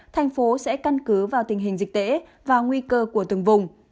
thành phố sẽ căn cứ vào tình hình dịch tễ và nguy cơ của từng vùng